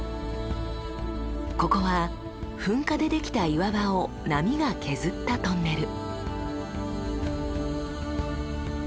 ここは噴火でできた岩場を波が削ったトンネル。